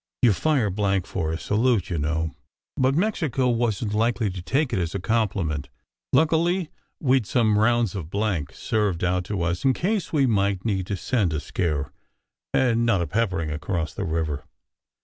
You fire blank for a salute, you know : but Mexico wasn t likely to take it as a compliment ! Luckily we d some rounds of blank, served out to us in case we might need to send a scare and not a peppering across the river.